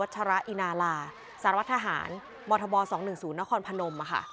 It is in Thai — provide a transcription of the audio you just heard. วัชราอินาลาสารวัตถาหารมศ๒๑๐นครพนมค่ะ